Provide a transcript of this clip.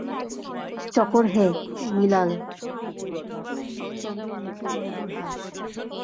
চকোর হে, মিলাল, কি সে চন্দ্র মুখের মধুর হাস?